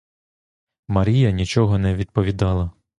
Марія нічого не відповіла.